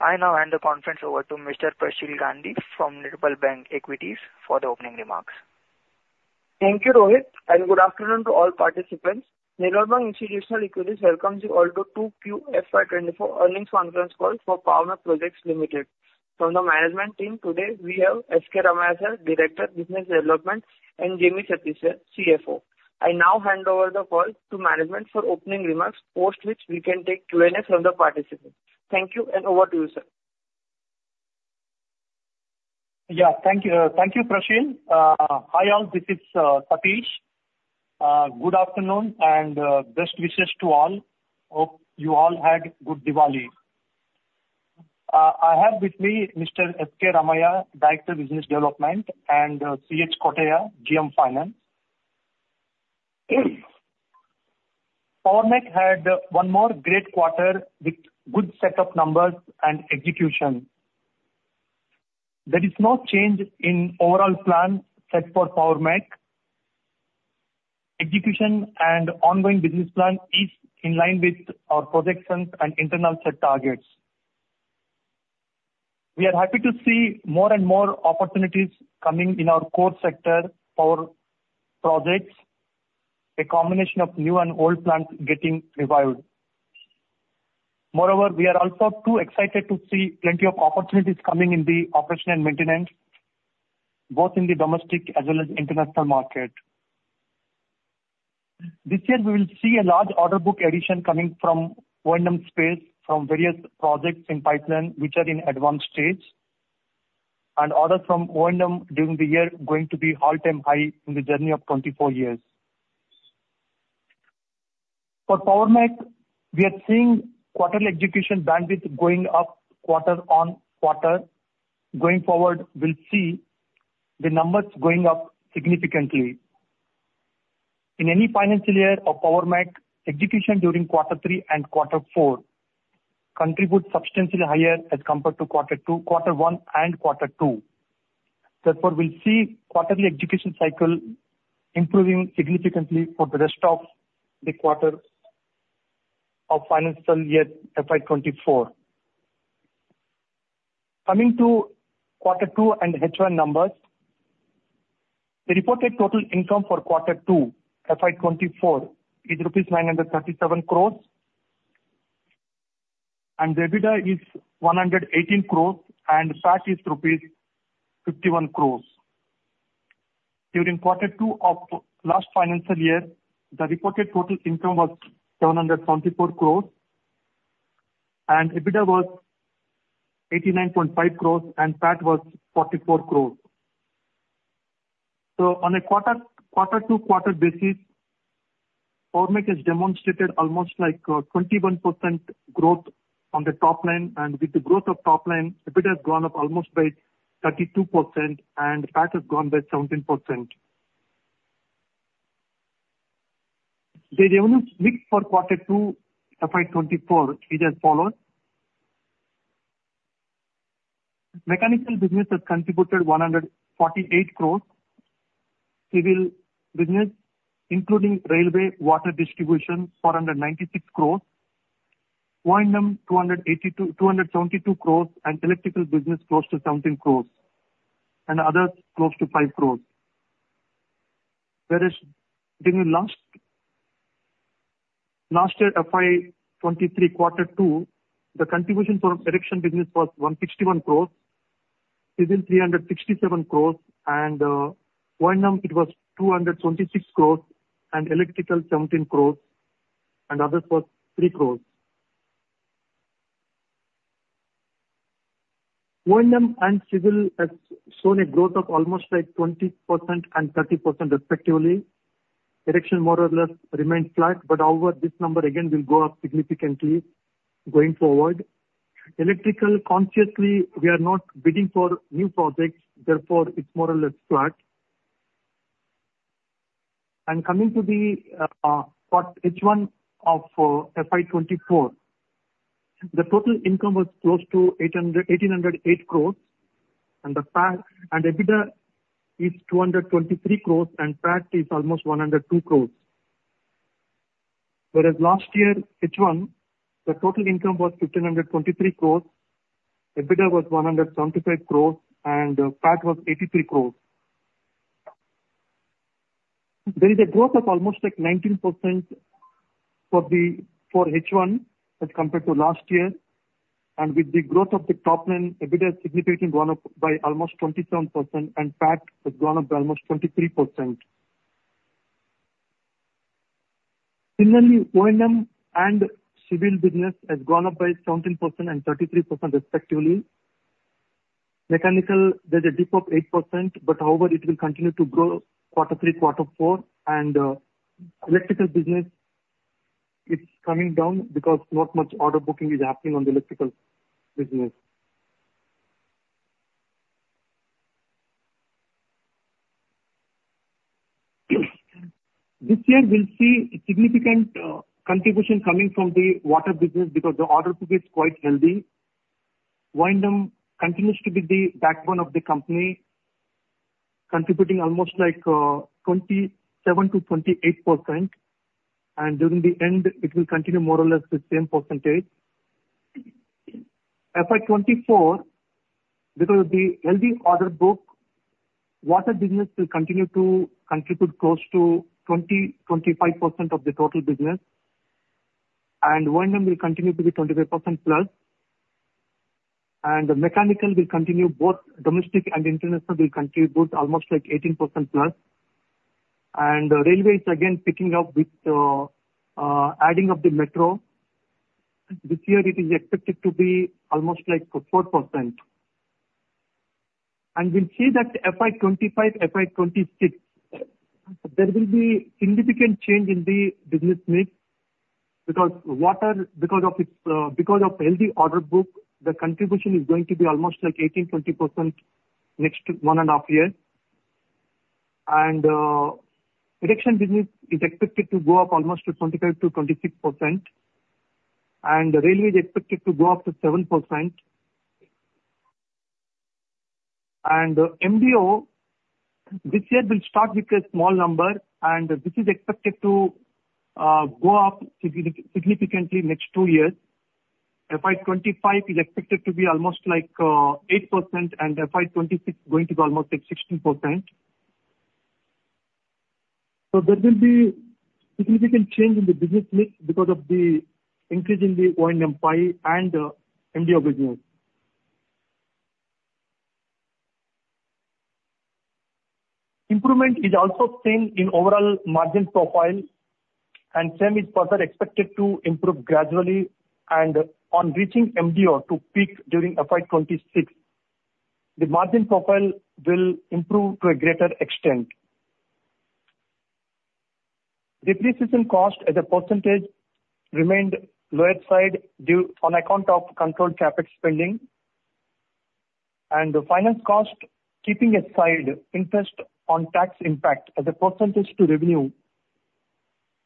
I now hand the conference over to Mr. Prasheel Gandhi from Nirmal Bang Equities for the opening remarks. Thank you, Rohit, and good afternoon to all participants. Nirmal Bang Equities welcomes you all to 2Q FY 2024 earnings conference call for Power Mech Projects Limited. From the management team today, we have S. K. Ramaiah, Director, Business Development, and Jami Satish, CFO. I now hand over the call to management for opening remarks, post which we can take Q&A from the participants. Thank you, and over to you, sir. Yeah. Thank you, thank you, Prasheel. Hi, all. This is Satish. Good afternoon and best wishes to all. Hope you all had good Diwali. I have with me Mr. S. K. Ramaiah, Director, Business Development, and Ch. Kotaiah, GM Finance. Power Mech had one more great quarter with good set of numbers and execution. There is no change in overall plan set for Power Mech. Execution and ongoing business plan is in line with our projections and internal set targets. We are happy to see more and more opportunities coming in our core sector for projects, a combination of new and old plants getting revived. Moreover, we are also too excited to see plenty of opportunities coming in the operation and maintenance, both in the domestic as well as international market. This year, we will see a large order book addition coming from O&M space, from various projects in pipeline, which are in advanced stage, and orders from O&M during the year going to be all-time high in the journey of 24 years. For Power Mech, we are seeing quarterly execution bandwidth going up quarter-on-quarter. Going forward, we'll see the numbers going up significantly. In any financial year of Power Mech, execution during quarter three and quarter four contribute substantially higher as compared to quarter one and quarter two. Therefore, we'll see quarterly execution cycle improving significantly for the rest of the quarter of financial year FY 2024. Coming to quarter two and H1 numbers, the reported total income for quarter two, FY 2024, is INR 937 crore, and the EBITDA is 118 crore, and PAT is rupees 51 crore. During quarter two of last financial year, the reported total income was 774 crore, and EBITDA was 89.5 crore, and PAT was 44 crore. On a quarter-to-quarter basis, Power Mech has demonstrated almost like, you know, 21% growth on the top line, and with the growth of top line, EBITDA has gone up almost by 32%, and PAT has gone by 17%. The revenue mix for quarter two, FY 2024, is as follows: Mechanical business has contributed 148 crore. Civil business, including railway water distribution, 496 crore. O&M, 272 crore, and electrical business, close to 17 crore, and others, close to 5 crore. Whereas during last year, FY 2023, quarter two, the contribution for erection business was 161 crore, civil, 367 crore, O&M, it was 226 crore, electrical, 17 crore, and others was 3 crore. O&M and civil has shown a growth of almost like 20% and 30% respectively. Erection, more or less, remained flat, however, this number again will go up significantly going forward. Electrical, consciously, we are not bidding for new projects, therefore, it's more or less flat. Coming to the H1 of FY 2024, the total income was close to 1,808 crore, and the EBITDA is 223 crore, and PAT is almost 102 crore. Whereas last year, H1, the total income was 1,523 crore, EBITDA was 175 crore, and PAT was 83 crore. There is a growth of almost 19% for H1 as compared to last year, and with the growth of the top line, EBITDA has significantly gone up by almost 27%, and PAT has gone up by almost 23%. Similarly, O&M and civil business has gone up by 17% and 33% respectively. Mechanical, there's a dip of 8%, however, it will continue to grow quarter three, quarter four. Electrical business, it's coming down because not much order booking is happening on the Electrical business. This year, we'll see a significant contribution coming from the water business because the order book is quite healthy. O&M continues to be the backbone of the company.... Contributing almost like 27% -28%, and during the end, it will continue more or less the same percentage. FY 2024, because of the healthy order book, water business will continue to contribute close to 20%, 25% of the total business, and O&M will continue to be 25% plus. The mechanical will continue, both domestic and international, will contribute almost like 18% plus. The railway is again picking up with adding of the metro. This year, it is expected to be almost like 4%. We'll see that FY 2025, FY 2026, there will be significant change in the business mix, because water, because of its healthy order book, the contribution is going to be almost like 18%, 20% next one and a half year. Erection business is expected to go up almost to 25%-26%, and the railway is expected to go up to 7%. MDO, this year, we'll start with a small number, and this is expected to go up significantly next two years. FY 2025 is expected to be almost like 8%, and FY 2026 going to be almost like 16%. So there will be significant change in the business mix because of the increase in the O&M and MDO business. Improvement is also seen in overall margin profile, and same is further expected to improve gradually. On reaching MDO to peak during FY 2026, the margin profile will improve to a greater extent. Depreciation cost as a percentage remained lower side due on account of controlled CapEx spending. The finance cost, keeping aside interest on tax impact as a percentage to revenue,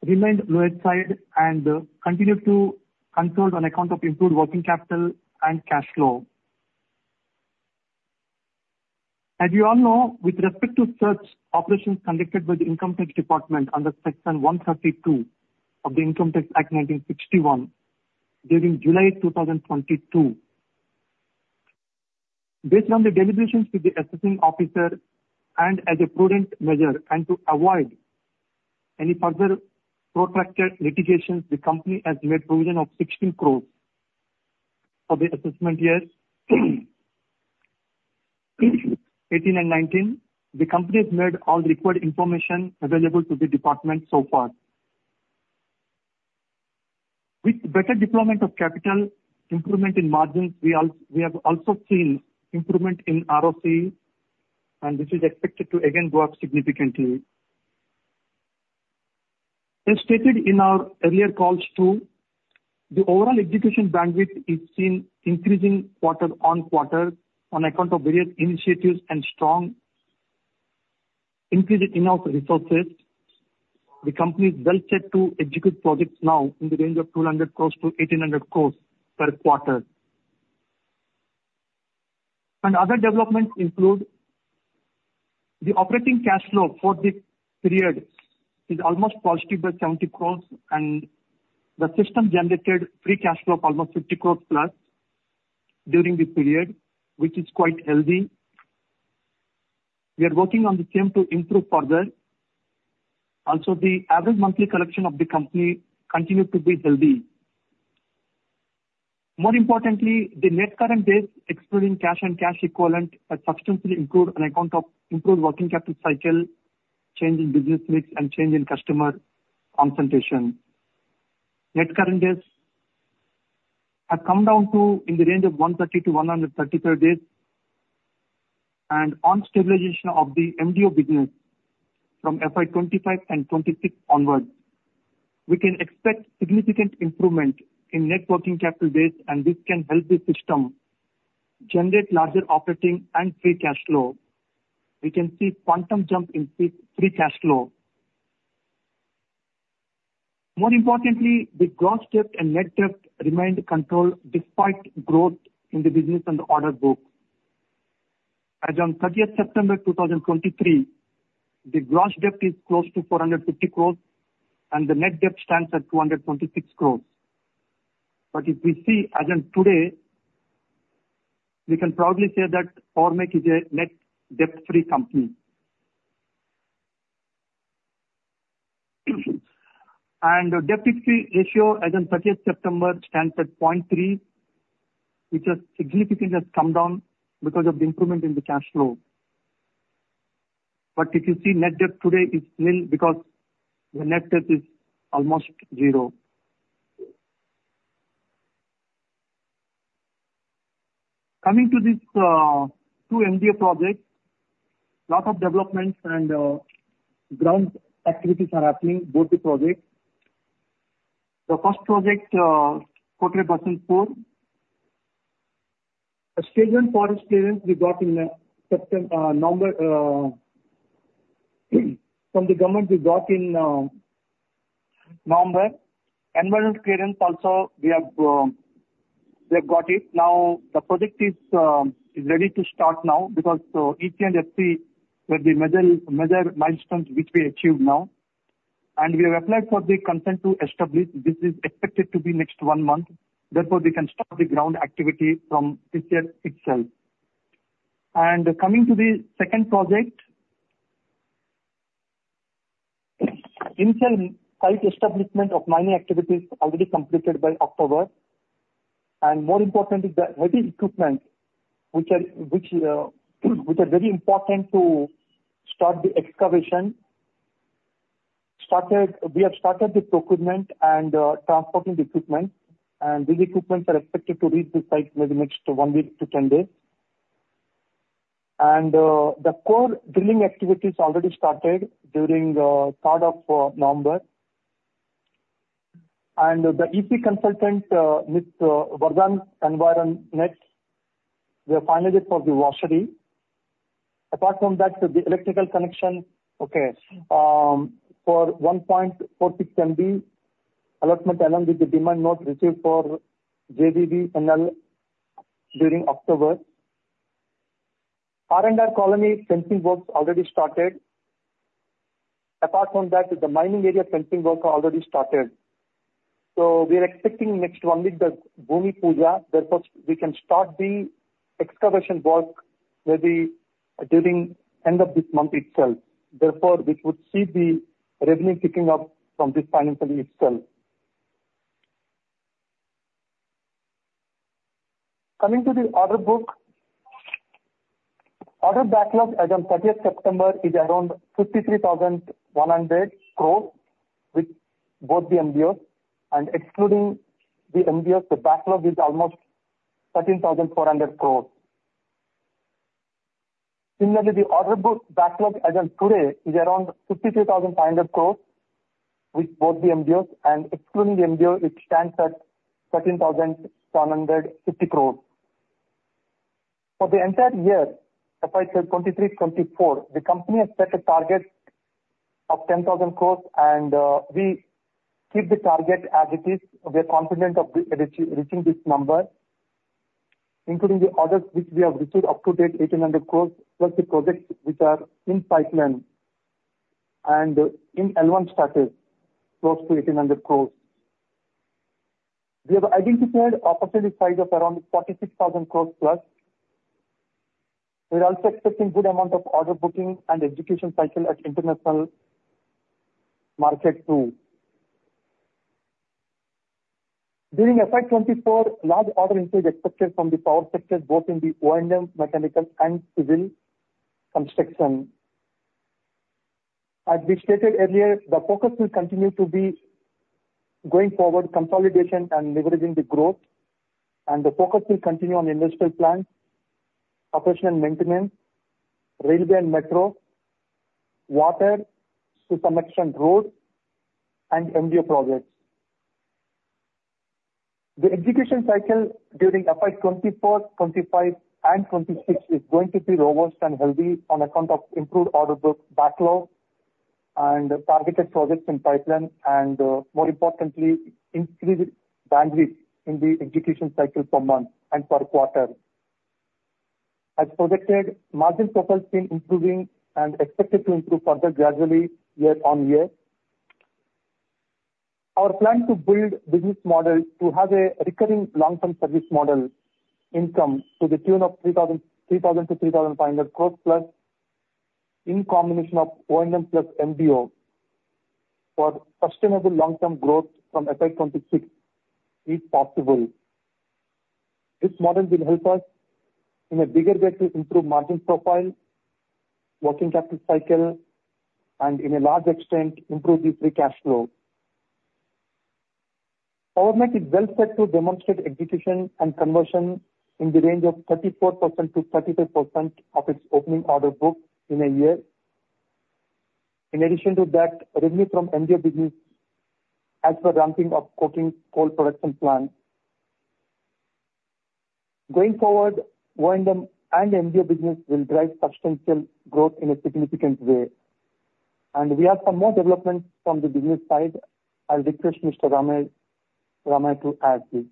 remained lower side and continued to control on account of improved working capital and cash flow. As you all know, with respect to search operations conducted by the Income Tax Department under Section 132 of the Income Tax Act 1961, during July 2022. Based on the deliberations with the assessing officer and as a prudent measure and to avoid any further protracted litigations, the company has made provision of 16 crore for the assessment years 2018 and 2019. The company has made all required information available to the department so far. With better deployment of capital, improvement in margins, we have also seen improvement in ROC, and this is expected to again go up significantly. As stated in our earlier calls too, the overall execution bandwidth is seen increasing quarter-on-quarter on account of various initiatives and strong increase in our resources. The company is well set to execute projects now in the range of 200 crores-1,800 crores per quarter. Other developments include the operating cash flow for this period is almost positive by 70 crores, and the system generated free cash flow of almost 50 crores plus during this period, which is quite healthy. We are working on the same to improve further. Also, the average monthly collection of the company continued to be healthy. More importantly, the net current base, excluding cash and cash equivalent, has substantially improved on account of improved working capital cycle, change in business mix, and change in customer concentration. Net current base have come down to in the range of 130-133 days, and on stabilization of the MDO business from FY 2025 and 2026 onwards, we can expect significant improvement in net working capital base, and this can help the system generate larger operating and free cash flow. We can see quantum jump in free, free cash flow. More importantly, the gross debt and net debt remained controlled despite growth in the business and the order book. As on 30th September 2023, the gross debt is close to 450 crore, and the net debt stands at 226 crore. If we see as on today, we can proudly say that Power Mech Projects is a net debt-free company. Debt-equity ratio as on 30th September stands at 0.3, which has significantly come down because of the improvement in the cash flow. If you see net debt today, it's nil because the net debt is almost zero. Coming to this, two MDO projects, lot of developments and ground activities are happening, both the projects. The first project, Kotre Basantpur, a station forest clearance we got in November, from the government, we got in November. Environment clearance also, we have got it. Now, the project is ready to start now because EC and FC were the major, major milestones which we achieved now. We have applied for the consent to establish, this is expected to be next one month, therefore we can start the ground activity from this year itself. Coming to the second project, initial site establishment of mining activities already completed by October. More importantly, the heavy equipment, which are very important to start the excavation, started—we have started the procurement and transporting the equipment, and these equipments are expected to reach the site maybe next one week to 10 days. The core drilling activities already started during 3rd November. The EP consultant, with Vardan EnviroNet, we have finalized for the washery. Apart from that, the electrical connection, okay, for 1.46 MB, allotment along with the demand note received for JBVNL during October. R&R Colony fencing works already started. Apart from that, the mining area fencing work already started. We are expecting next one week, the Bhoomi Puja, therefore, we can start the excavation work maybe during end of this month itself. Therefore, we would see the revenue picking up from this financial year itself. Coming to the order book, order backlog as on 30th September is around 53,100 crore, with both the MDOs. Excluding the MDOs, the backlog is almost 13,400 crore. Similarly, the order book backlog as of today is around 52,500 crore, with both the MDOs. Excluding the MDO, it stands at 13,750 crore. For the entire year, FY 2023-2024, the company has set a target of 10,000 crore, and we keep the target as it is. We are confident of reaching this number, including the orders which we have received up to date, 1,800 crore, plus the projects which are in pipeline and in advanced status, close to 1,800 crores. We have identified opportunity size of around 46,000 crores plus. We're also expecting good amount of order booking and execution cycle at international market too. During FY 2024, large order intake is expected from the power sector, both in the O&M, mechanical, and civil construction. As we stated earlier, the focus will continue to be, going forward, consolidation and leveraging the growth, and the focus will continue on industrial plant, operation and maintenance, railway and metro, water, sewer connection, road, and MDO projects. The execution cycle during FY 2024, 2025, and 2026 is going to be robust and healthy on account of improved order book backlog and targeted projects in pipeline, and, more importantly, increased bandwidth in the execution cycle per month and per quarter. As projected, margin profile is improving and expected to improve further gradually year-on-year. Our plan to build business model to have a recurring long-term service model income to the tune of 3,000 crores-3,500 crores plus, in combination of O&M plus MDO, for sustainable long-term growth from FY 2026 is possible. This model will help us in a bigger way to improve margin profile, working capital cycle, and in a large extent, improve the free cash flow. Government is well set to demonstrate execution and conversion in the range of 34%-35% of its opening order book in a year. In addition to that, revenue from MDO business as per ramping up of coking coal production plan. Going forward, O&M and MDO business will drive substantial growth in a significant way, and we have some more development from the business side. I'll request Mr. Ramaiah to add to it.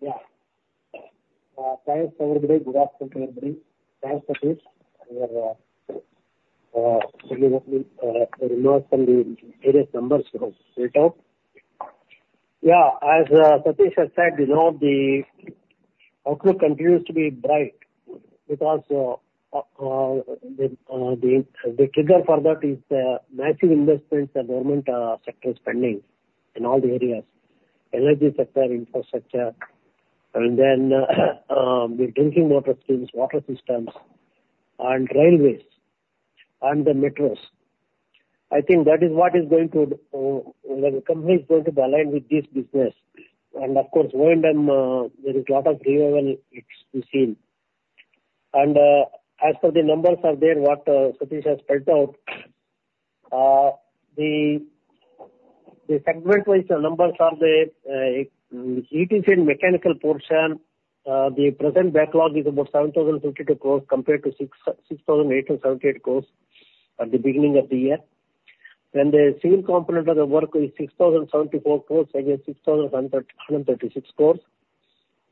Yeah. Thanks, everybody. Good afternoon, everybody. Thanks, Satish. You have announced some of the various numbers you have laid out. Yeah, as Satish has said, you know, the outlook continues to be bright because the trigger for that is the massive investments the government sector is spending in all the areas: energy sector, infrastructure, and then the drinking water systems, water systems, and railways and the metros. I think that is what is going to the company is going to be aligned with this business. And of course, O&M, there is a lot of revival to be seen. And, as for the numbers are there, what Satish has spelled out, the. The segment-wise numbers are the ETC and Mechanical portion, the present backlog is about 7,052 crore compared to 6,878 crore at the beginning of the year. The civil component of the work is 6,074 crore against 6,136 crore.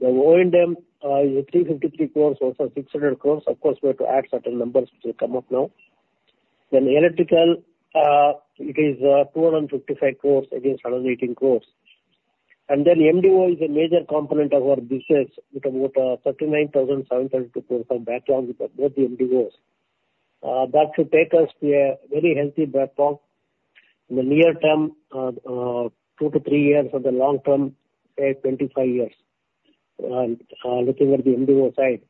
The O&M is 353 crore, also 600 crore. Of course, we have to add certain numbers which will come up now. Electrical is 255 crore against 118 crore. MDO is a major component of our business, with about 39,732 crore of backlogs with both the MDOs. That should take us to a very healthy backlog in the near term, two to three years, or the long term, say, 25 years. Looking at the MDO side,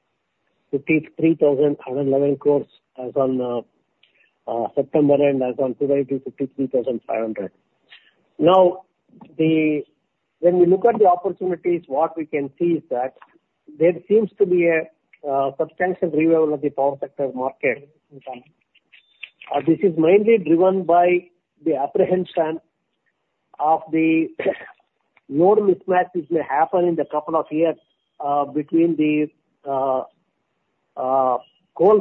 53,111 crore as on September, and as on February, 53,500 crore. Now, when we look at the opportunities, what we can see is that there seems to be a substantial revival of the power sector market in time. This is mainly driven by the apprehension of the load mismatches may happen in the couple of years, between the coal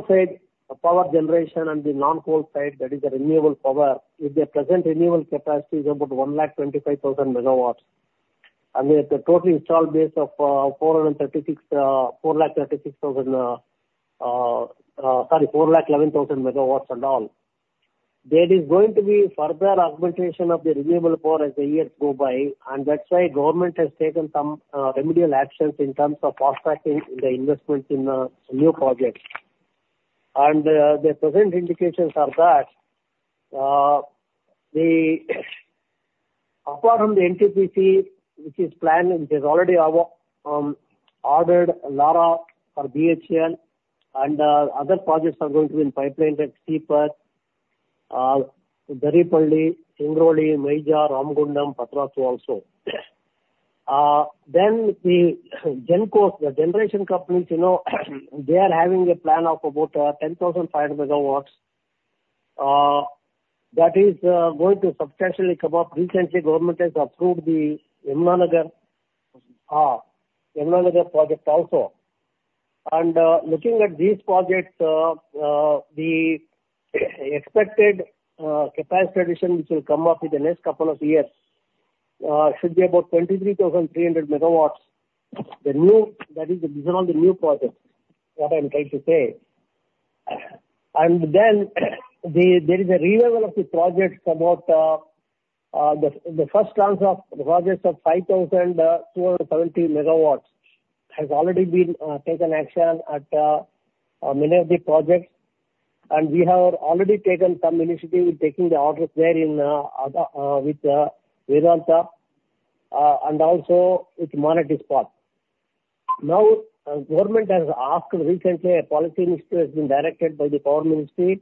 side, the power generation, and the non-coal side, that is the renewable power, with the present renewable capacity is about 125,000 MW. And with the total installed base of four hundred and thirty-six, four lakh thirty-six thousand, sorry, 411,000 MW and all. There is going to be further augmentation of the renewable power as the years go by, and that's why government has taken some remedial actions in terms of fast-tracking the investments in new projects. The present indications are that, apart from the NTPC, which is planning, which has already ordered Lara for BHEL, other projects are going to be in pipeline, like Sipat, Darlipali, Singrauli, Meja, Ramagundam, Patratu also. Then the GenCos, the generation companies, you know, they are having a plan of about 10,500 MW. That is going to substantially come up. Recently, government has approved the Yamuna Nagar project also. Looking at these projects, the expected capacity addition, which will come up in the next couple of years, should be about 23,300 MW. That is based on the new projects, what I'm trying to say. There is a revival of the projects about the first round of projects of 5,270 MW, has already been taken action at many of the projects. We have already taken some initiative in taking the orders there with Vedanta and also with Monnet Ispat. Now, government has asked recently, a policy minister has been directed by the Power Ministry,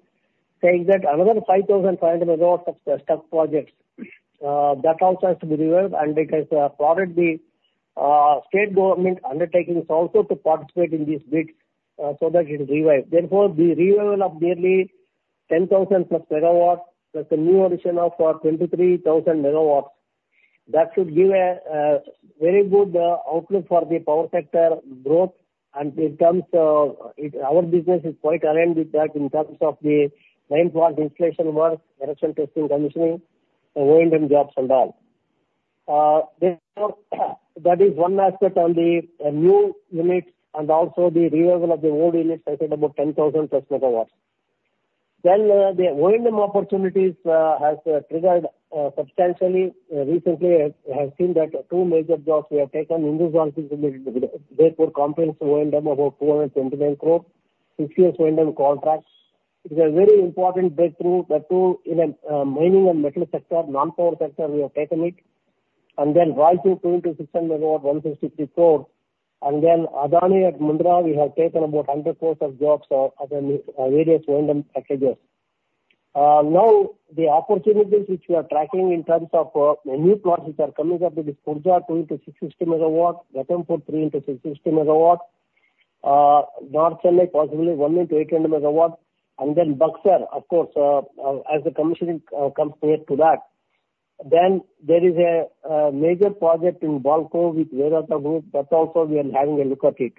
saying that another 5,500 MW of stuck projects, that also has to be revived, and they have prodded the state government undertakings also to participate in these bids, so that it revive. Therefore, the revival of nearly 10,000+ MW, plus a new addition of 23,000 MW, that should give a very good outlook for the power sector growth. In terms of it, our business is quite aligned with that in terms of the main part installation work, erection, testing, commissioning, O&M jobs and all. Therefore, that is one aspect on the new units and also the revival of the old units, I said, about 10,000+ MW. Then, the O&M opportunities has triggered substantially. Recently, I have seen that two major jobs we have taken. Indus Towers is a very big comprehensive O&M, about 429 crore, six-year O&M contracts. It is a very important breakthrough that too in the mining and metal sector, non-power sector, we have taken it. And then Raichur 2x600 MW, 1,064. And then Adani at Mundra, we have taken about 100 crore of jobs at the various O&M packages. Now, the opportunities which we are tracking in terms of the new projects are coming up with this Khurja 2x660 MW, Ratanpur 3x660 MW, North Chennai, possibly 1x800 MW, and then Buxar, of course, as the commissioning comes near to that. Then there is a major project in Balco with Vedanta Group, that also we are having a look at it.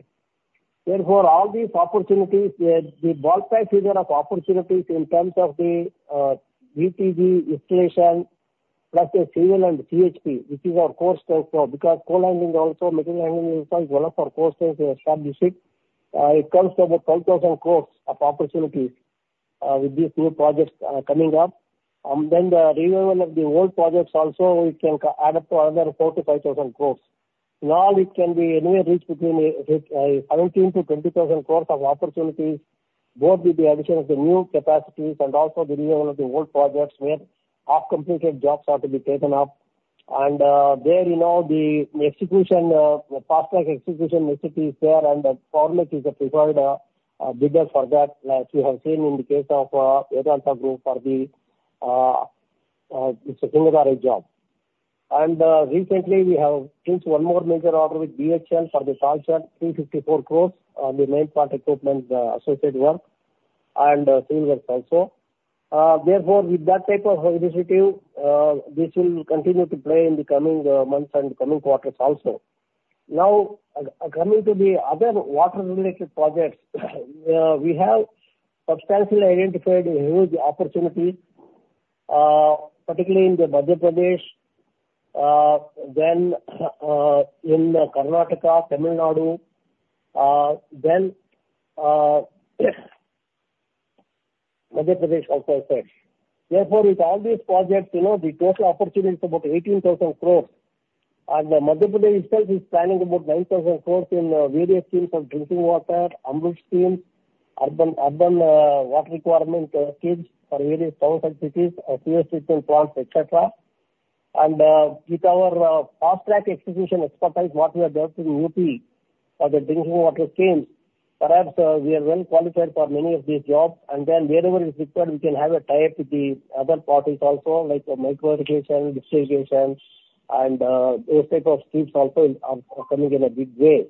Therefore, all these opportunities, the ballpark figure of opportunities in terms of the EPC installation, plus the civil and BoP, which is our core strength, because coal mining also, metal mining is one of our cores since we established it. It comes to about 12,000 crore of opportunity, with these new projects coming up. And then the renewal of the old projects also it can add up to another 4,000-5,000 crore. In all, it can be anywhere between 17,000-20,000 crore of opportunities, both with the addition of the new capacities and also the renewal of the old projects, where half-completed jobs are to be taken up. There, you know, the execution, the faster execution ability is there, and the format is a preferred bidder for that, as you have seen in the case of Vedanta Group for the, it's a single large job. Recently we have inked one more major order with BHEL for the Talcher, 354 crore, on the main plant equipment, associated work, and civil works also. Therefore, with that type of initiative, this will continue to play in the coming months and coming quarters also. Now, coming to the other water-related projects, we have substantially identified a huge opportunity, particularly in the Madhya Pradesh, then in Karnataka, Tamil Nadu, then Madhya Pradesh also I said. Therefore, with all these projects, you know, the total opportunity is about 18,000 crore. Madhya Pradesh itself is planning about 9,000 crore in various schemes of drinking water, AMRUT schemes, urban water requirement schemes for various towns and cities, sewage treatment plants, et cetera. With our fast-track execution expertise, what we have done in UP for the drinking water schemes, perhaps we are well qualified for many of these jobs. Then wherever is required, we can have a tie-up with the other parties also, like micro irrigation, distribution, and those type of schemes also are coming in a big way,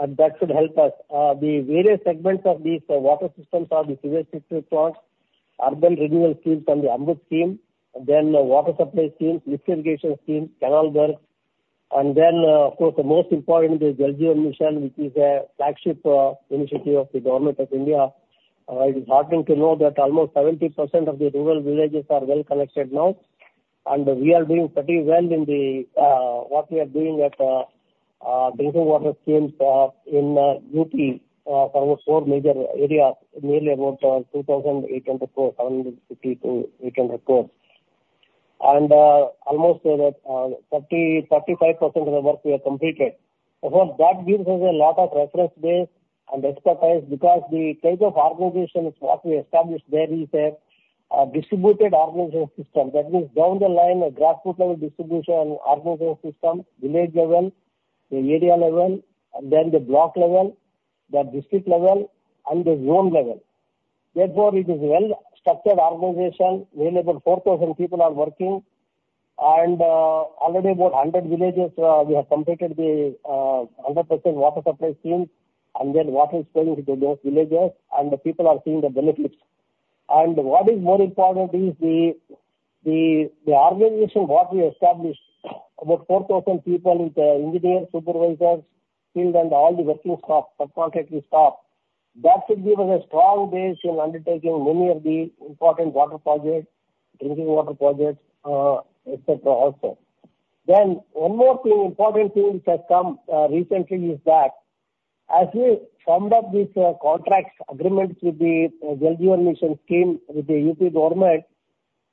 and that should help us. The various segments of these water systems are the sewage treatment plants, urban renewal schemes and the AMRUT scheme, and then water supply schemes, irrigation schemes, canal works. Of course, the most important is Jal Jeevan Mission, which is a flagship initiative of the Government of India. It is heartening to know that almost 70% of the rural villages are well connected now, and we are doing pretty well in what we are doing at drinking water schemes in UP for almost four major areas, nearly about 2,800 crore, 750- 800 crore. Almost 30-35% of the work we have completed. Therefore, that gives us a lot of reference base and expertise, because the type of organization which what we established there is a distributed organization system. That means down the line, a grassroots level distribution organization system, village level, the area level, and then the block level, the district level and the zone level. Therefore, it is well-structured organization, nearly about 4,000 people are working, and already about 100 villages we have completed the 100% water supply scheme, and then water is going to those villages, and the people are seeing the benefits. And what is more important is the organization what we established, about 4,000 people with engineers, supervisors, field, and all the working staff, subcontracting staff, that should give us a strong base in undertaking many of the important water projects, drinking water projects, et cetera, also. Then one more thing, important thing which has come recently is that as we summed up these contracts agreements with the Jal Jeevan Mission scheme with the UP government,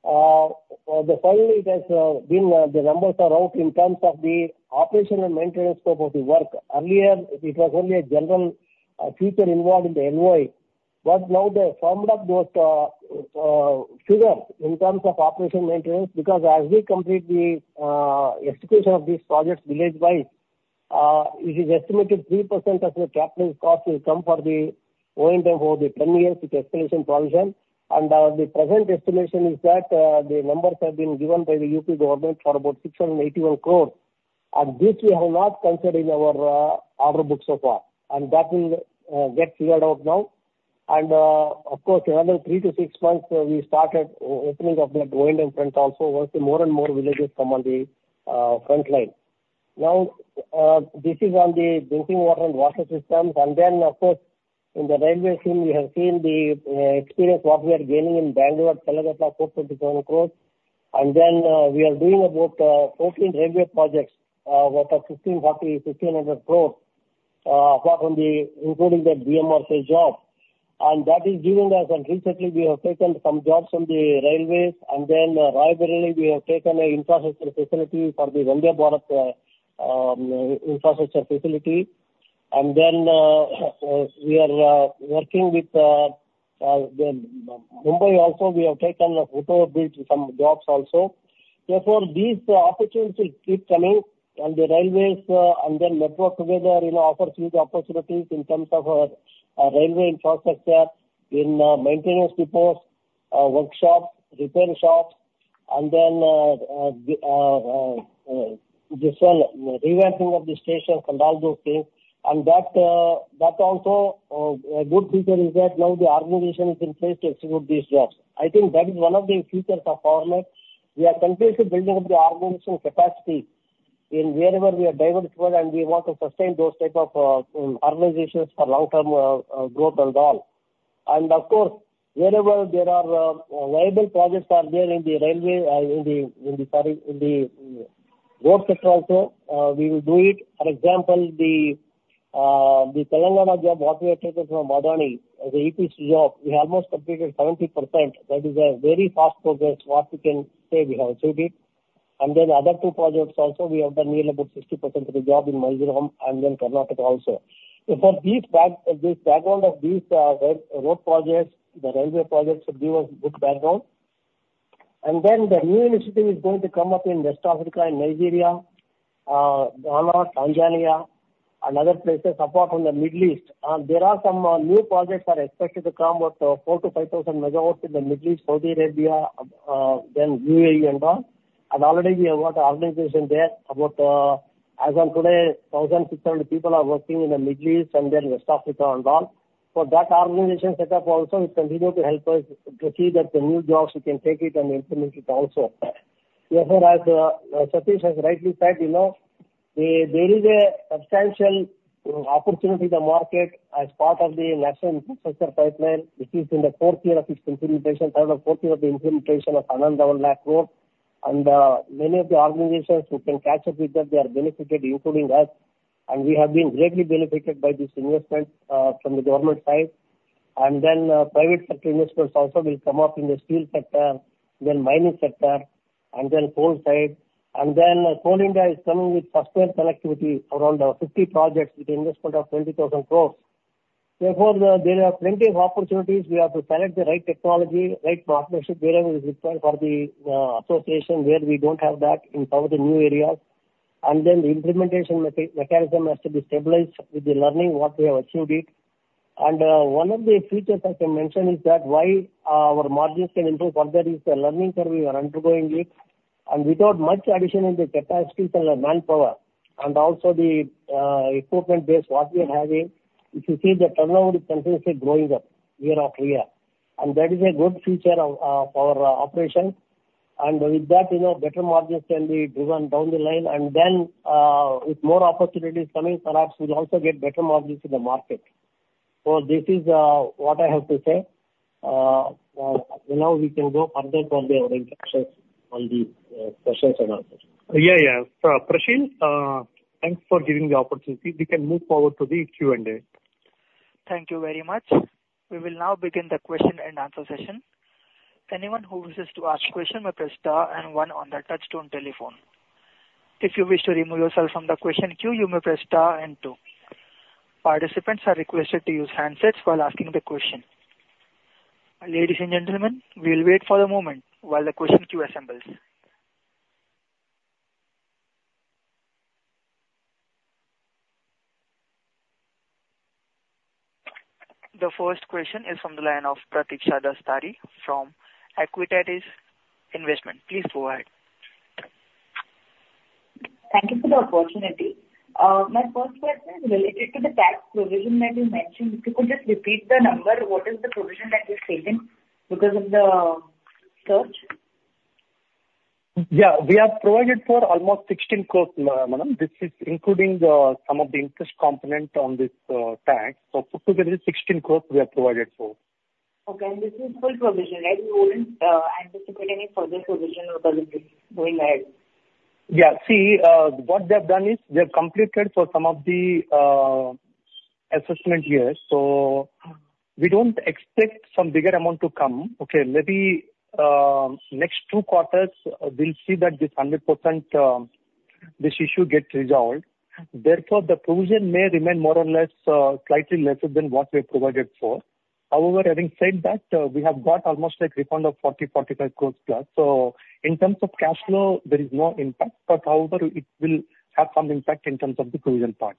the finally it has been the numbers are out in terms of the operational and maintenance scope of the work. Earlier, it was only a general feature involved in the MOI, but now they've summed up those figures in terms of operation maintenance, because as we complete the execution of these projects village-wise, it is estimated 3% of the capital cost will come for the O&M over the 10 years with escalation provision. The present estimation is that the numbers have been given by the UP government for about 681 crore, and this we have not considered in our order book so far, and that will get cleared out now. Of course, another three to six months, we started opening of that O&M front also, once more and more villages come on the frontline. Now, this is on the drinking water and water systems. In the railway scheme, we have seen the experience, what we are gaining in Bangalore, Kolkata, 427 crore. We are doing about 14 railway projects, worth 1,540-1,500 crore, apart from including that BMRCL job. That is giving us, and recently we have taken some jobs from the railways. Then Rae Bareli, we have taken an infrastructure facility for the Vande Bharat infrastructure facility. We are working with Mumbai also, we have taken a BoT, some jobs also. Therefore, these opportunities will keep coming, and the railways and the network together, you know, offer new opportunities in terms of railway infrastructure, in maintenance depots, workshops, repair shops, and then the revamping of the stations and all those things. That also, a good feature is that now the organization is in place to execute these jobs. I think that is one of the features of Power Mech Projects. We are continuously building up the organization capacity in wherever we are diversified, and we want to sustain those type of organizations for long-term growth and all. And of course, wherever there are viable projects are there in the railway and in the road sector also, we will do it. For example, the Telangana job, what we have taken from Adani, as a EPC job, we almost completed 70%. That is a very fast progress, what we can say we have achieved it. And then the other two projects also, we have done nearly about 60% of the job in Mizoram, and then Karnataka also. Therefore, the background of these road projects, the railway projects should give us good background. And then the new initiative is going to come up in West Africa, in Nigeria, Ghana, Tanzania, and other places apart from the Middle East. And there are some new projects expected to come with 4,000 MW-5,000 MW in the Middle East, Saudi Arabia, then UAE and all. And already we have got organization there, about, as of today, 1,600 people are working in the Middle East and then West Africa and all. So that organization set up also will continue to help us to see that the new jobs we can take it and implement it also. Therefore, as Satish has rightly said, you know, there is a substantial opportunity in the market as part of the national infrastructure pipeline, which is in the fourth year of its implementation, third or fourth year of the implementation of Anandatalak Road. And many of the organizations who can catch up with that, they are benefited, including us, and we have been greatly benefited by this investment from the government side. And then private sector investments also will come up in the steel sector, then mining sector, and then coal side. And then Coal India is coming with sustained connectivity around 50 projects with an investment of 20,000 crore. Therefore, there are plenty of opportunities. We have to select the right technology, right partnership wherein is required for the association, where we don't have that in some of the new areas. And then the implementation mechanism has to be stabilized with the learning, what we have achieved it. And one of the features I can mention is that why our margins can improve further is the learning curve we are undergoing it, and without much addition in the capacities and the manpower, and also the equipment base, what we are having. If you see the turnover is consistently going up year after year, and that is a good feature of our operation. And with that, you know, better margins can be driven down the line. And then with more opportunities coming, perhaps we'll also get better margins in the market. This is what I have to say. Now we can go further from the orientations on the questions and answers. Yeah, yeah. So Prasheel, thanks for giving the opportunity. We can move forward to the Q&A. Thank you very much. We will now begin the Q&A session. Anyone who wishes to ask a question may press star and one on their touchtone telephone. If you wish to remove yourself from the question queue, you may press star and two. Participants are requested to use handsets while asking the question. Ladies and gentlemen, we'll wait for a moment while the question queue assembles. The first question is from the line of Pratiksha Daftari from Aequitas Investment. Please go ahead. Thank you for the opportunity. My first question is related to the tax provision that you mentioned. If you could just repeat the number, what is the provision that you're taking because of the surge? Yeah, we have provided for almost 16 crore, madam. This is including the, some of the interest component on this tax. So put together, 16 crore we have provided for. Okay, and this is full provision, right? You wouldn't anticipate any further provision authorities going ahead? Yeah. See, what they've done is, they've completed for some of the assessment years. So we don't expect some bigger amount to come. Okay, maybe next two quarters, we'll see that this 100%, this issue gets resolved. Therefore, the provision may remain more or less, slightly lesser than what we have provided for. However, having said that, we have got almost a refund of 40-45 crores plus. So in terms of cash flow, there is no impact. But however, it will have some impact in terms of the provision part.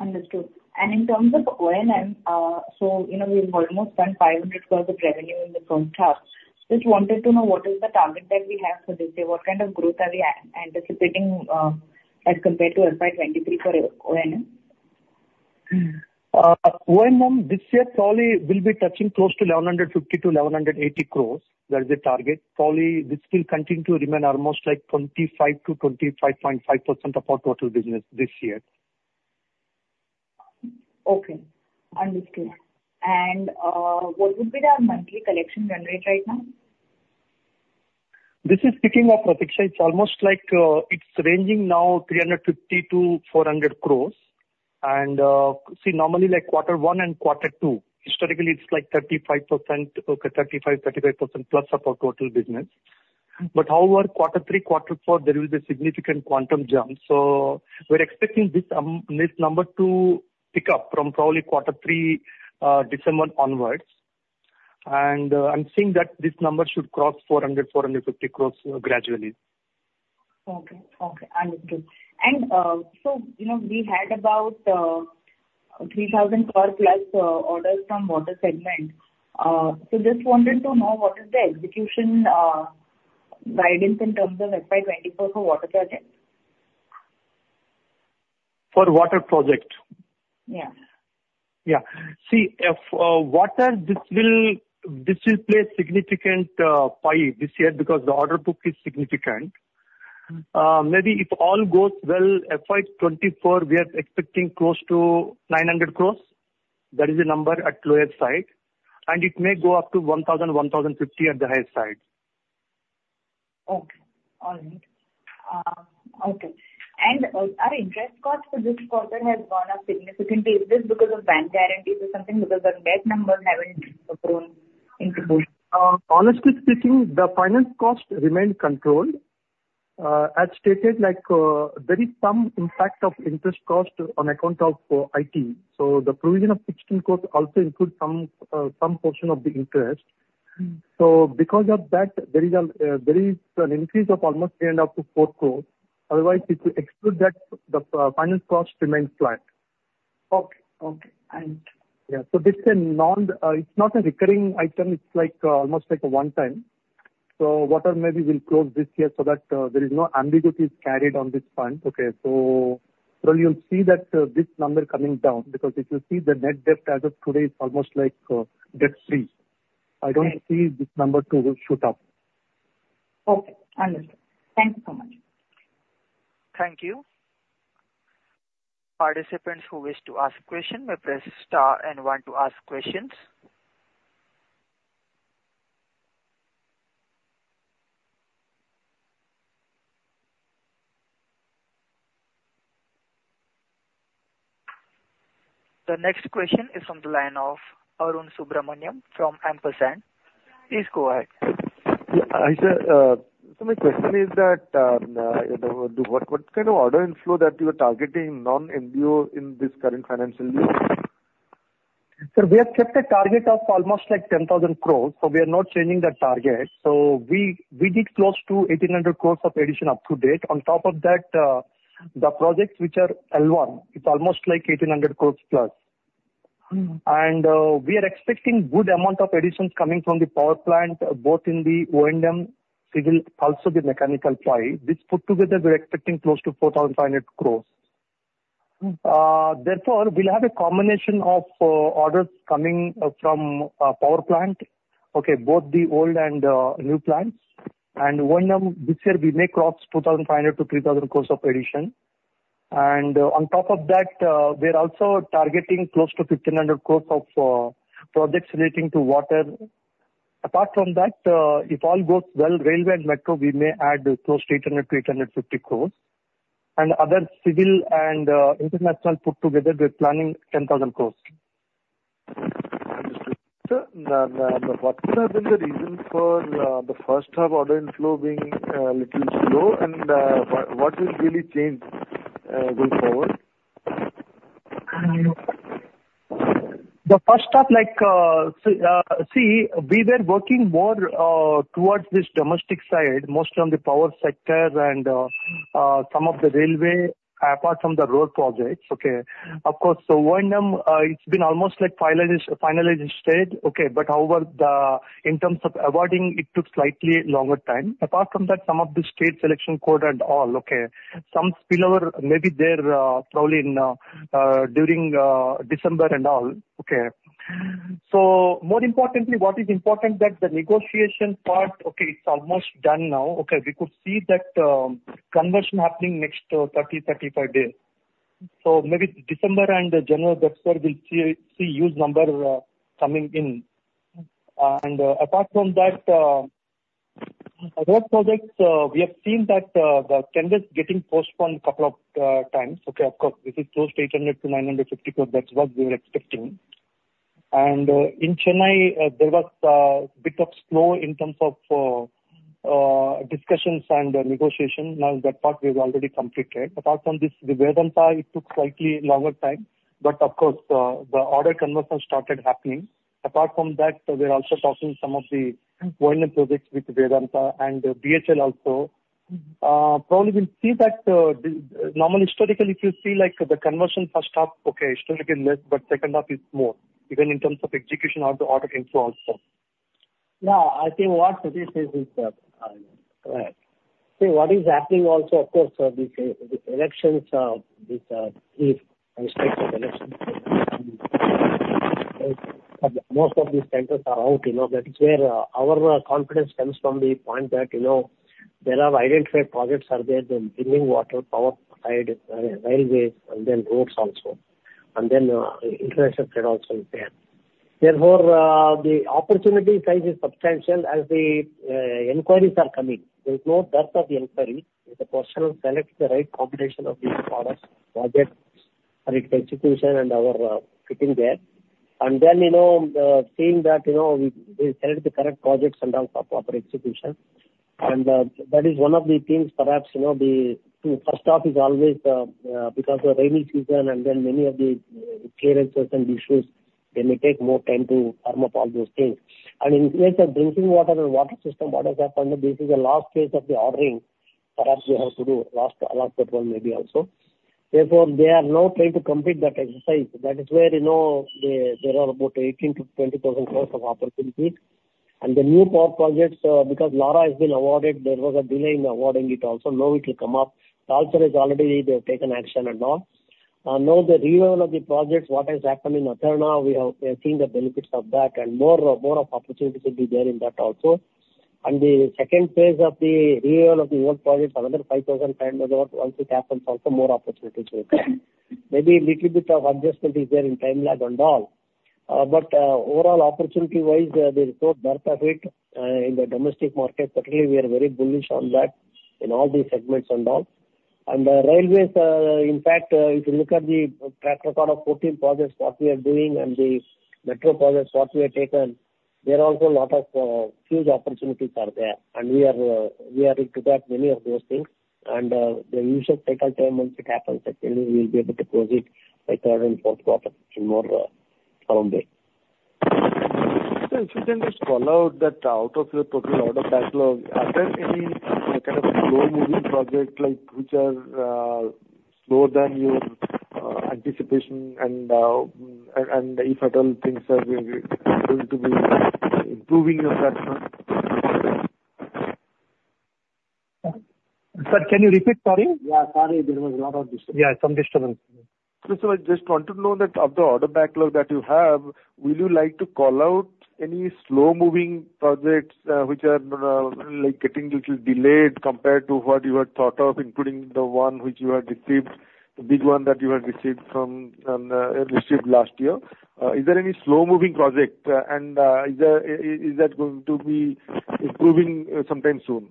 Understood. In terms of O&M, so, you know, we've almost done 500 crore of revenue in the front half. Just wanted to know what is the target that we have for this year? What kind of growth are we anticipating, as compared to FY 2023 for O&M? O&M, this year probably will be touching close to 1,150 crore-1,180 crore. That is the target. Probably this will continue to remain almost like 25%-25.5% of our total business this year. Okay. Understood. And, what would be the monthly collection run rate right now? This is picking up, Pratiksha. It's almost like, it's ranging now 350-400 crore. And, see, normally like quarter one and quarter two, historically, it's like 35%, okay, 35, 35% plus of our total business. But however, quarter three, quarter four, there is a significant quantum jump. So we're expecting this, this number to pick up from probably quarter three, December onwards. And, I'm seeing that this number should cross 400-450 crore gradually. Okay. Okay, understood. And, so, you know, we had about 3,000 crore plus orders from water segment. So just wanted to know what is the execution guidance in terms of FY 2024 for water projects? For water project? Yeah. Yeah. See, if water, this will, this will play a significant part this year because the order book is significant. Maybe if all goes well, FY 2024, we are expecting close to 900 crore. That is the number at lower side, and it may go up to 1,000-1,050 crore at the highest side. Okay. All right. Okay. And our interest costs for this quarter have gone up significantly. Is this because of bank guarantees or something? Because the net numbers haven't grown into this. Honestly speaking, the finance cost remained controlled. As stated, like, very some impact of interest cost on account of IT. So the provision of INR 16 crore also include some portion of the interest. Mm. So because of that, there is an increase of almost 3 crore and up to 4 crore. Otherwise, if you exclude that, the finance cost remains flat.... Okay, okay. Yeah, so this is a non-recurring item. It's like, almost like a one-time. So, maybe we'll close this year so that there is no ambiguities carried on this front, okay? So, well, you'll see that this number coming down, because if you see the net debt as of today is almost like debt-free. I don't see this number to shoot up. Okay, understood. Thank you so much. Thank you. Participants who wish to ask a question, may press star and one to ask questions. The next question is from the line of Arun Subrahmanyam from Ampersand. Please go ahead. Yeah, Aisha, so my question is that, what kind of order inflow that you're targeting non-BoP in this current financial year? Sir, we have kept a target of almost like 10,000 crore, so we are not changing that target. So we did close to 1,800 crore of addition up to date. On top of that, the projects which are L1, it's almost like 1,800 crore plus. Mm. We are expecting good amount of additions coming from the power plant, both in the O&M, civil, also the mechanical part. This put together, we're expecting close to 4,500 crore. Mm. Therefore, we'll have a combination of orders coming from power plant, okay, both the old and new plants. And O&M, this year we may cross 2,500-3,000 crores of addition. And on top of that, we are also targeting close to 1,500 crores of projects relating to water. Apart from that, if all goes well, railway and metro, we may add close to 800-850 crores. And other civil and international put together, we're planning 10,000 crores. Understood. Sir, then what could have been the reason for the first half order inflow being little slow, and what will really change going forward? The first half, like, see, we were working more towards this domestic side, mostly on the power sector and some of the railway, apart from the road projects, okay? Of course, so O&M, it's been almost like finalized state, okay, but however, the, in terms of awarding, it took slightly longer time. Apart from that, some of the state selection code and all, okay. Some spillover may be there, probably in during December and all. Okay. So more importantly, what is important that the negotiation part, okay, it's almost done now. Okay, we could see that, conversion happening next 30-35 days. So maybe December and January, that's where we'll see huge number coming in. And apart from that, road projects, we have seen that, the tenders getting postponed couple of times. Okay, of course, this is close to 800 crore-950 crore. That's what we were expecting. And, in Chennai, there was a bit of slow in terms of, discussions and negotiation. Now, that part we've already completed. Apart from this, the Vedanta, it took slightly longer time, but of course, the order conversion started happening. Apart from that, we're also talking some of the volume projects with Vedanta and BHEL also. Probably we'll see that, the. Normally, historically, if you see, like, the conversion first half, okay, historically less, but second half is more, even in terms of execution of the order inflow also. Now, I think what this is, what is happening also, of course, the elections, with these types of elections. Most of these centers are out, you know, that is where our confidence comes from the point that, you know, there are identified projects are there, the drinking water, power side, railways, and then roads also, and then international trade also is there. Therefore, the opportunity size is substantial as the inquiries are coming. There's no dearth of inquiry. It's a question of select the right combination of these products, projects for its execution and our fitting there. And then, you know, seeing that, you know, we select the correct projects and all for proper execution. That is one of the things perhaps, you know, the first off is always, because of the rainy season and then many of the clearances and issues, they may take more time to firm up all those things. In case of drinking water and water system, what has happened, this is the last phase of the ordering. Perhaps we have to do last, last one, maybe also. Therefore, they are now trying to complete that exercise. That is where, you know, there, there are about 18,000-20,000 crore of opportunity. The new power projects, because Lara has been awarded, there was a delay in awarding it also. Now it will come up. Also is already they have taken action and all. Now, the renewal of the projects, what has happened in Adani, we are seeing the benefits of that, and more, more of opportunities will be there in that also. The second phase of the renewal of the old projects, another 5,500, once it happens, also more opportunities will come. Maybe little bit of adjustment is there in time lag and all. But, overall, opportunity-wise, there is no dearth of it, in the domestic market. Particularly, we are very bullish on that in all the segments and all. The railways, in fact, if you look at the track record of 14 projects, what we are doing and the metro projects, what we have taken, there are also a lot of huge opportunities are there, and we are, we are into that, many of those things. The usual cycle time, once it happens, certainly we will be able to close it by third and fourth quarter in more, around there.... Sir, if you can just call out that out of your total order backlog, are there any kind of slow moving projects, like, which are slower than your anticipation, and if at all things are going to be improving? Sir, can you repeat? Sorry. Yeah, sorry, there was a lot of disturbance. Yeah, some disturbance. So I just want to know that of the order backlog that you have, would you like to call out any slow moving projects, which are, like, getting little delayed compared to what you had thought of, including the one which you have received, the big one that you have received from, received last year? Is there any slow moving project, and, is that going to be improving, sometime soon?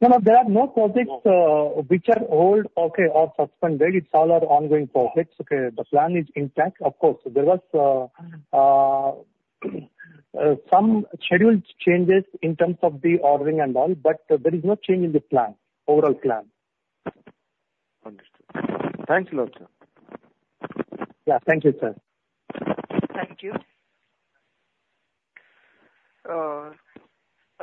No, no, there are no projects, which are old, okay, or suspended. It's all our ongoing projects, okay? The plan is intact. Of course, there was some schedule changes in terms of the ordering and all, but there is no change in the plan, overall plan. Understood. Thanks a lot, sir. Yeah. Thank you, sir. Thank you. A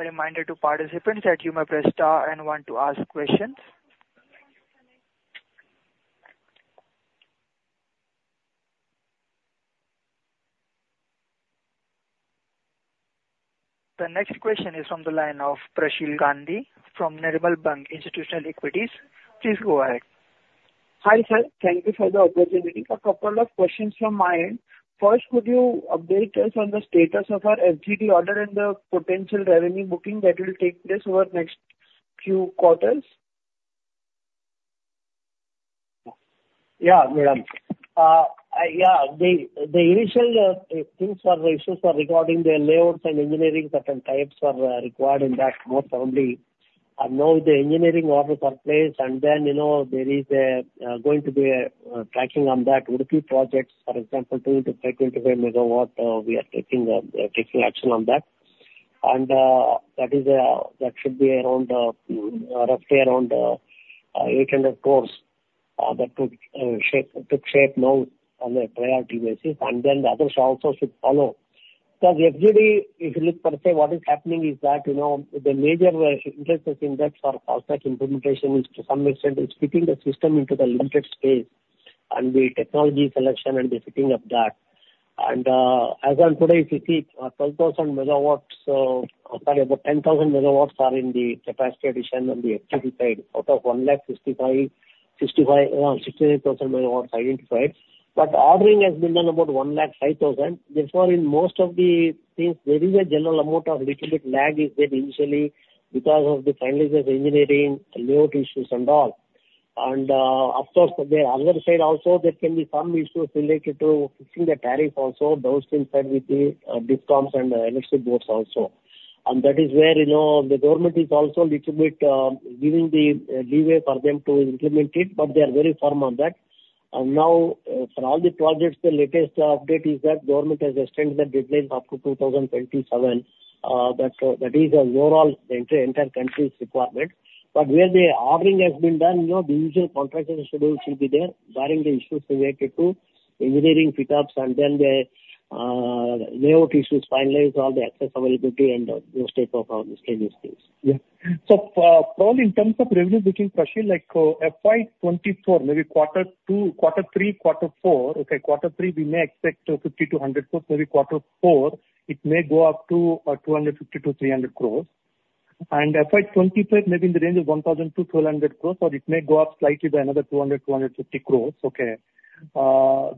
reminder to participants that you may press star and one to ask questions. The next question is on the line of Prasheel Gandhi from Nirmal Bang Institutional Equities. Please go ahead. Hi, sir. Thank you for the opportunity. A couple of questions from my end. First, could you update us on the status of our FGD order and the potential revenue booking that will take place over next few quarters? Yeah, Prasheel. Yeah, the initial things were issues regarding the layouts and engineering. Certain types were required in that more firmly. And now the engineering order is in place, and then, you know, there is going to be traction on that Udupi project. For example, two to five, 25 MW, we are taking action on that. And that should be around roughly around 800 crore, that could take shape now on a priority basis, and then the others also should follow. Because FGD, if you look per se, what is happening is that, you know, the major interest in that for project implementation is to some extent fitting the system into the limited space and the technology selection and the fitting of that. As on today, if you see, 12,000 megawatts, sorry, about 10,000 megawatts are in the capacity addition on the FGD side, out of 1,65,000-1,68,000 megawatts identified. Ordering has been done about 1,05,000 megawatts. Therefore, in most of the things, there is a general amount of little bit lag is there initially because of the finalization of engineering, layout issues and all. Of course, the other side also, there can be some issues related to fixing the tariff also, those inside with the DISCOMs and electric boards also. That is where, you know, the government is also little bit giving the leeway for them to implement it, but they are very firm on that. Now, for all the projects, the latest update is that government has extended the deadline up to 2027. That is the overall the entire country's requirement. But where the ordering has been done, you know, the usual contractors schedule should be there, barring the issues related to engineering fit ups and then the layout issues, finalize all the access availability and the state of the stages. Yeah. Probably in terms of revenue between Prasheel, like, FY 2024, maybe quarter two, quarter three, quarter four, okay, quarter three, we may expect 50-100 crore. Maybe quarter four, it may go up to 250-300 crore. FY 2025, maybe in the range of 1,000-1,200 crore, or it may go up slightly by another 200-250 crore, okay?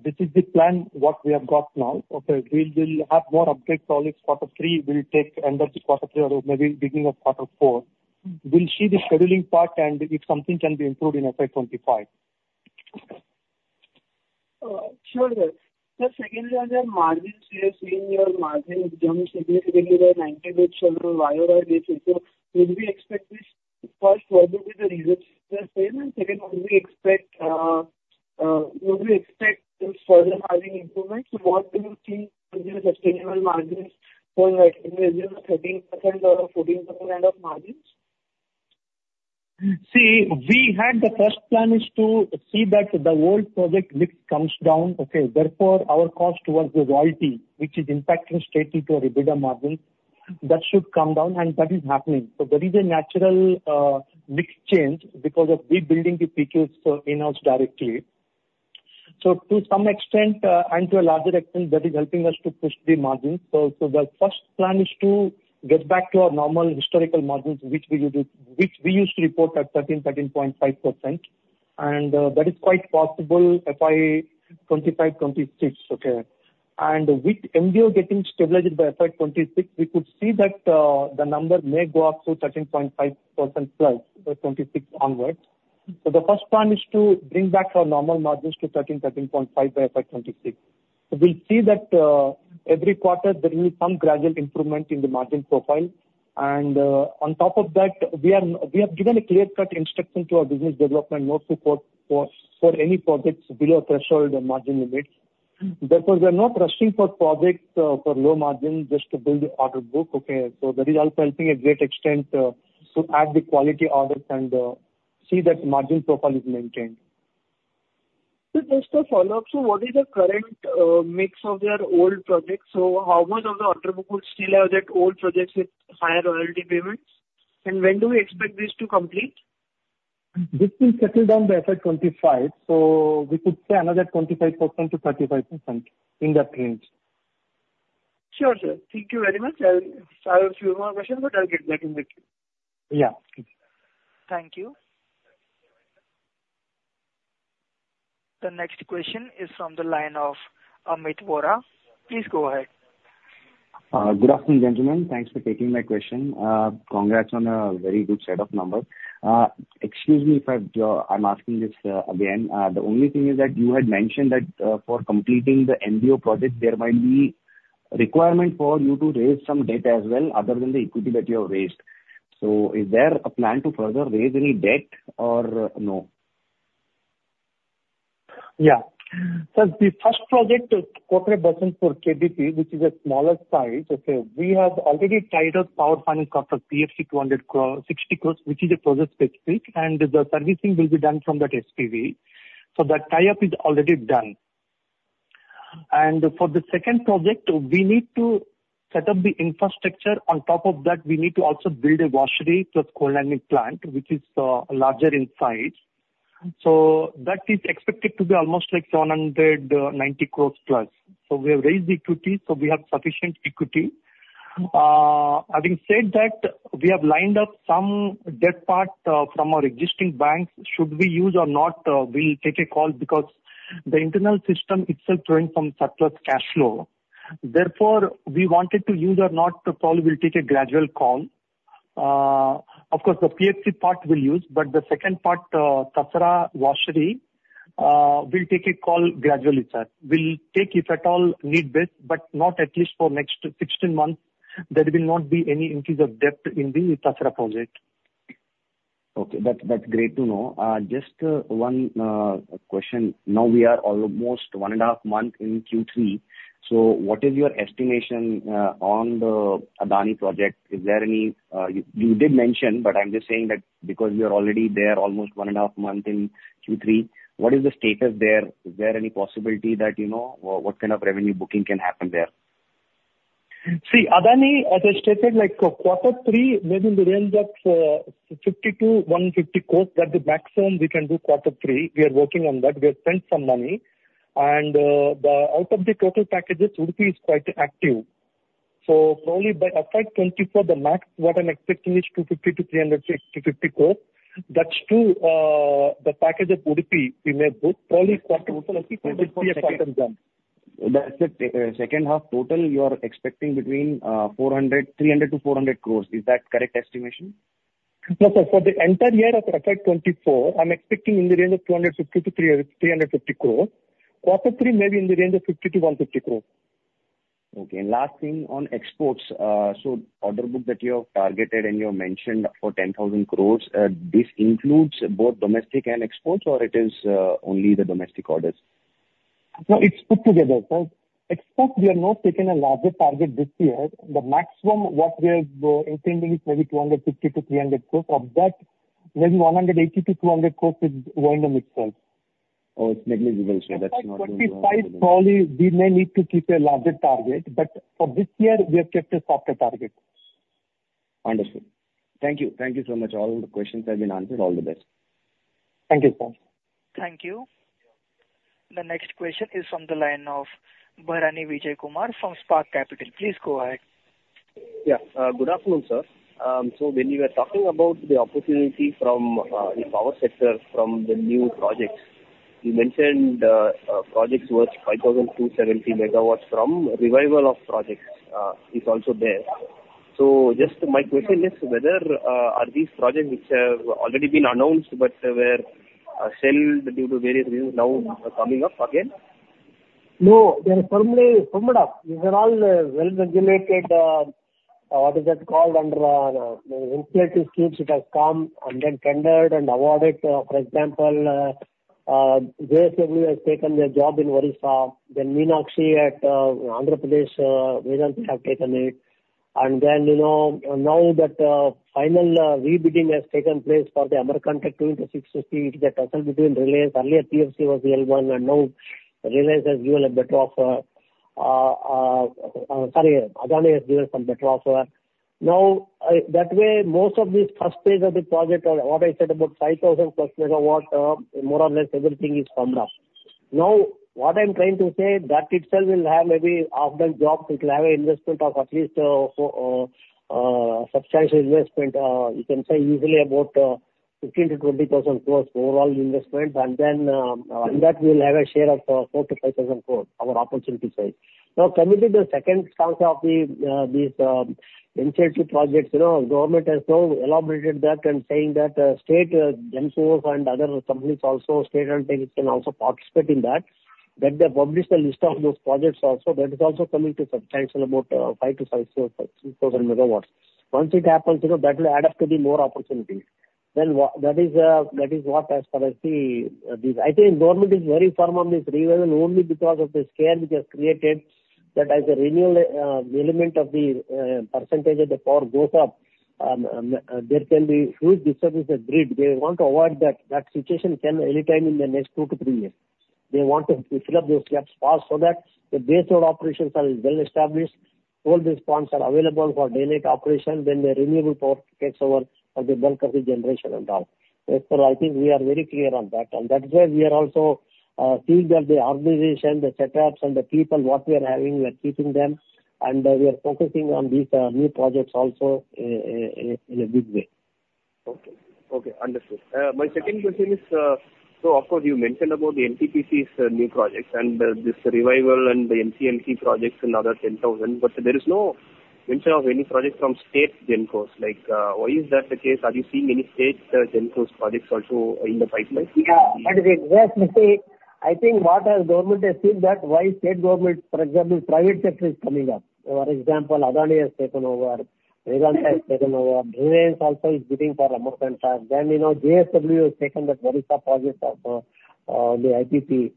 This is the plan, what we have got now, okay? We will have more updates all this quarter three. We'll take end of the quarter three or maybe beginning of quarter four. We'll see the scheduling part and if something can be improved in FY 2025. Sure, sir. Sir, secondly, on the margins, we are seeing your margin jump significantly by 90 basis points year-over-year this year. So would we expect this, first, what will be the reasons to stay, and second, would we expect further margin improvements? What do you think will be the sustainable margins for, like, maybe 13% or 14% of margins? See, we had the first plan is to see that the old project mix comes down, okay? Therefore, our cost was the royalty, which is impacting straight into our EBITDA margin. That should come down, and that is happening. So there is a natural, mix change because of rebuilding the PQs for in-house directly. So to some extent, and to a larger extent, that is helping us to push the margins. So, so the first plan is to get back to our normal historical margins, which we used to, which we used to report at 13, 13.5%, and, that is quite possible FY 2025, 2026, okay? And with MBO getting stabilized by FY 2026, we could see that, the number may go up to 13.5%+, 2026 onwards. So the first plan is to bring back our normal margins to 13, 13.5 by FY 2026. We'll see that every quarter there is some gradual improvement in the margin profile. And on top of that, we are, we have given a clear-cut instruction to our business development, no support for any projects below threshold margin limits. Therefore, we are not rushing for projects for low margin, just to build the order book, okay? So that is also helping a great extent to add the quality orders and see that margin profile is maintained.... So just a follow-up, so what is the current mix of your old projects? So how much of the order book would still have that old projects with higher royalty payments, and when do we expect this to complete? This will settle down by FY 2025, so we could say another 25%-35%, in that range. Sure, sir. Thank you very much. I have a few more questions, but I'll get back in the queue. Yeah. Thank you. The next question is from the line of Amit Vora. Please go ahead. Good afternoon, gentlemen. Thanks for taking my question. Congrats on a very good set of numbers. Excuse me if I'm asking this again. The only thing is that you had mentioned that for completing the MDO project, there might be requirement for you to raise some debt as well, other than the equity that you have raised. So is there a plan to further raise any debt or no? Yeah. The first project, Kotra Basanpur KDP, which is a smaller size, we have already tied up power funding cost of PFC 260 crore, which is project-specific, and the servicing will be done from that SPV. That tie-up is already done. For the second project, we need to set up the infrastructure. On top of that, we need to also build a washery plus coal landing plant, which is larger in size. That is expected to be almost like 790 crore plus. We have raised the equity, so we have sufficient equity. Having said that, we have lined up some debt part from our existing banks. Should we use or not, we'll take a call because the internal system itself drawing some surplus cash flow. Therefore, we wanted to use or not, so probably we'll take a gradual call. Of course, the PFC part we'll use, but the second part, Tasra Washery, we'll take a call gradually, sir. We'll take, if at all, need basis, but not at least for next 16 months. There will not be any increase of debt in the Tasara project. Okay. That's, that's great to know. Just one question. Now, we are almost 1.5 months in Q3, so what is your estimation on the Adani project? Is there any... You did mention, but I'm just saying that because we are already there almost 1.5 months in Q3, what is the status there? Is there any possibility that, you know, what, what kind of revenue booking can happen there? See, Adani, as I stated, like, quarter three was in the range of, 50-150 crore. That's the maximum we can do quarter three. We are working on that. We have spent some money. And, out of the total packages, Udupi is quite active. So slowly, by FY 2024, the max what I'm expecting is 250-350 crore. That's to, the package of Udupi we may book only quarter two 2024- That's the second half total you are expecting between 300-400 crore. Is that correct estimation? No, sir, for the entire year of FY 2024, I'm expecting in the range of 250-350 crores. Quarter 3 may be in the range of 50-150 crores. Okay. Last thing on exports. So order book that you have targeted, and you have mentioned for 10,000 crore, this includes both domestic and exports, or it is only the domestic orders? No, it's put together, sir. Exports, we have not taken a larger target this year. The maximum what we are intending is maybe 250-300 crores. Of that, maybe 180-200 crores is O&M itself. Oh, it's negligible, sir. That's not- FY 2025, probably we may need to keep a larger target, but for this year we have kept a softer target. Understood. Thank you. Thank you so much. All the questions have been answered. All the best. Thank you, sir. Thank you. The next question is from the line of Bharanidhar Vijayakumar from Spark Capital. Please go ahead. Yeah. Good afternoon, sir. So when you are talking about the opportunity from the power sector, from the new projects, you mentioned projects worth 5,270 megawatts from revival of projects is also there. So just my question is whether are these projects which have already been announced but were shelved due to various reasons, now coming up again? No, they are firmly firmed up. These are all, well-regulated, what is that called under, initiative schemes it has come and then tendered and awarded. For example, JSW has taken the job in Orissa, then Meenakshi at, Andhra Pradesh, Vedanta have taken it. And then, you know, now that, final, re-bidding has taken place for the Amarkantak 2 into 650, it will get unsettled between Reliance. Earlier, PFC was the L1, and now Reliance has given a better offer. Sorry, Adani has given some better offer. Now, that way, most of these first phase of the project, or what I said, about 5,000+ megawatt, more or less everything is firmed up. Now, what I'm trying to say, that itself will have maybe optimal jobs. It'll have an investment of at least substantial investment. You can say easily about 15,000 crore-20,000 crore overall investment, and then in that we'll have a share of 4,000 crore-5,000 crore, our opportunity side. Now, coming to the second chunk of these initiative projects, you know, government has now elaborated that and saying that state SOEs and other companies also, state-owned entities, can also participate in that. That they publish the list of those projects also. That is also coming to substantial, about 5,000-6,000 MW. Once it happens, you know, that will add up to the more opportunities. That is what as far as the, the... I think government is very firm on this revival only because of the scale which has created, that as a renewal, element of the, percentage of the power goes up, there can be huge disturbances at grid. They want to avoid that. That situation can anytime in the next 2-3 years. They want to, to fill up those gaps fast so that the base load operations are well established.... all these plants are available for day night operation when the renewable power takes over of the bulk of the generation and all. So I think we are very clear on that, and that is why we are also seeing that the organization, the setups, and the people, what we are having, we are keeping them, and we are focusing on these new projects also in a big way. Okay. Okay, understood. My second question is, so of course, you mentioned about the NTPC's, new projects and the, this revival and the NCLT projects and other 10,000, but there is no mention of any projects from state GenCos. Like, why is that the case? Are you seeing any state, GenCos projects also in the pipeline? Yeah, exactly. I think what our government has seen is that, why state government, for example, private sector is coming up. For example, Adani has taken over, Vedanta has taken over, Reliance also is bidding for Lanco Amarkantak. You know, JSW has taken that Orissa project also, the IPP,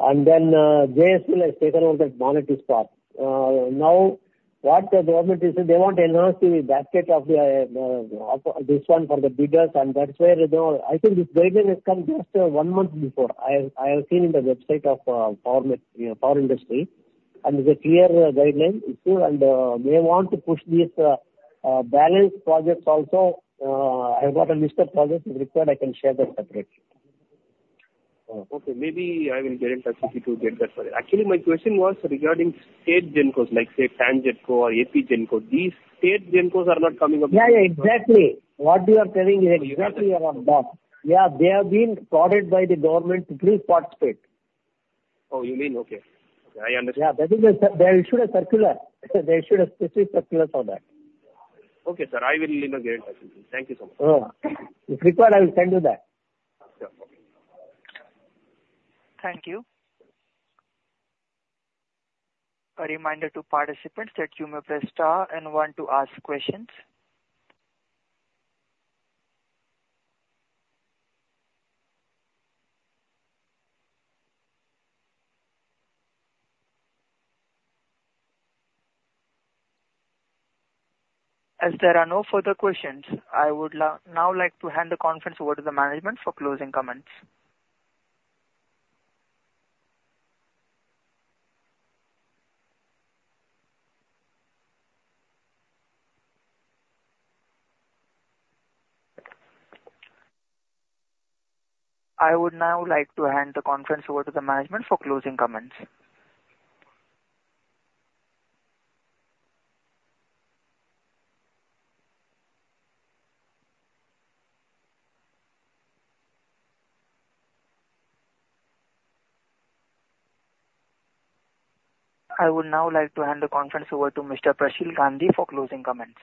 and JSW has taken over that Mytrah stock. Now, what the government is saying, they want to enhance the basket of this one for the bidders, and that's where, you know, I think this guideline has come just one month before. I have seen in the website of power industry, and it's a clear guideline issue, and they want to push these balance projects also. I've got a list of projects. If required, I can share that separately. Okay. Maybe I will get in touch with you to get that. Sorry. Actually, my question was regarding state GenCos, like say, Tangedco or APGenco. These state GenCos are not coming up- Yeah, yeah, exactly. What you are telling is exactly around that. Yeah, they have been prodded by the government to please participate. Oh, you mean okay. I understand. Yeah, that is the... They issued a circular. They issued a specific circular for that. Okay, sir. I will, you know, get in touch with you. Thank you so much. Oh, if required, I will send you that. Sure. Okay. Thank you. A reminder to participants that you may press star and one to ask questions. As there are no further questions, I would now like to hand the conference over to the management for closing comments. I would now like to hand the conference over to the management for closing comments. I would now like to hand the conference over to Mr. Prasheel Gandhi for closing comments.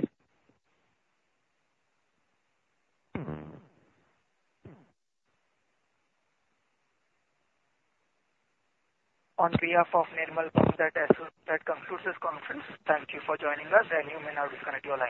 On behalf of Nirmal Bang, that concludes this conference. Thank you for joining us, and you may now disconnect your line.